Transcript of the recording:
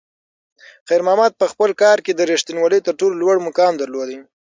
خیر محمد په خپل کار کې د رښتونولۍ تر ټولو لوړ مقام درلود.